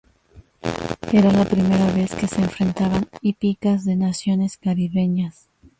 Era la primera vez que se enfrentaban hípicas de naciones caribeñas.